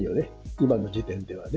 今の時点では。